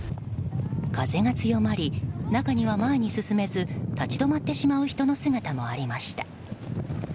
風が強まり、中には前に進めず立ち止まってしまう人の姿もありました。